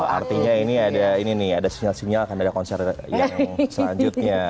artinya ini ada ini nih ada sinyal sinyal akan ada konser yang selanjutnya